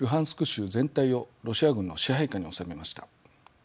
州全体をロシア軍の支配下に収めました。